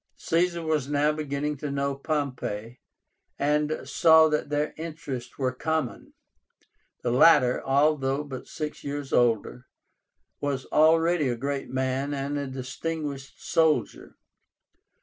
Caesar was now beginning to know Pompey, and saw that their interests were common. The latter, although but six years older, was already a great man and a distinguished soldier.